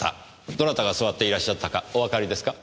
どなたが座っていらっしゃったかおわかりですか？